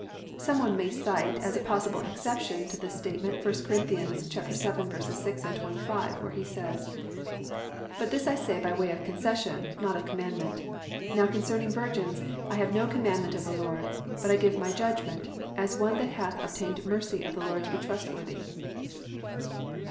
Some one may cite as a possible exception to this statement 1 Cor. 7:6, 25, where he says: +"But this I say by way of concession, not of commandment. ... Now concerning virgins, I have no commandment of the Lord, but I give my judgment, as one that hath obtained mercy of the Lord to be trustworthy."